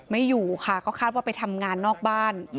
อยู่ค่ะก็คาดว่าไปทำงานนอกบ้าน